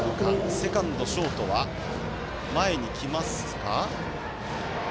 セカンド、ショートは前に来ますか。